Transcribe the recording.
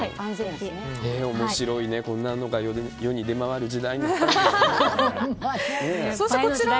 面白いね、こんなのが世に出回る時代になったんだ。